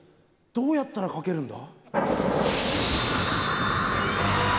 どうやったら描けるんだ？